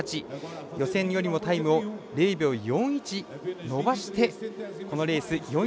予選よりもタイムを０秒４１伸ばしてこのレース４位で終えています。